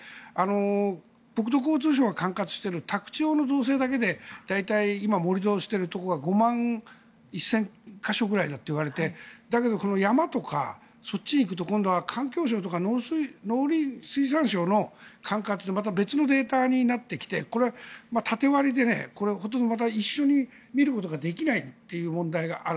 国土交通省が管轄している宅地用の造成だけで大体今、盛り土しているところが５万１０００か所ぐらいだといわれてだけど、山とかそっちに行くと今度は環境省とか農林水産省の管轄でまた別のデータになってきてこれは縦割りでほとんど一緒に見ることができないという問題がある。